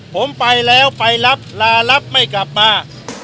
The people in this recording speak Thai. ผมไปแล้วไปรับลารับไม่กลับมา